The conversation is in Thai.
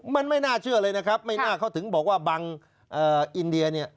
มันไม่น่าเชื่อเลยนะครับไม่น่าเขาถึงบอกว่าบางอินเดียเนี่ย